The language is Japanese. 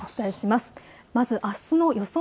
まずあすの予想